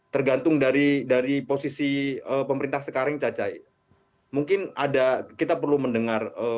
tergantung dari dari posisi pemerintah sekarang cacai mungkin ada kita perlu mendengar